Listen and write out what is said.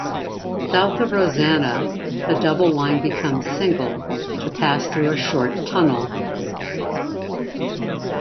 South of Rosanna, the double line becomes single, to pass through a short tunnel.